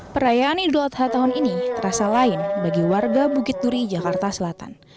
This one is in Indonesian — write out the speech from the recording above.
perayaan idul adha tahun ini terasa lain bagi warga bukit duri jakarta selatan